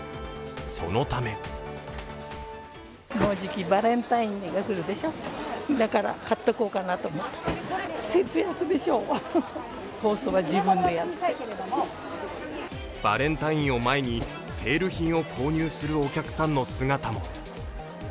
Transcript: そのためバレンタインを前にセール品を購入するお客さんの姿も。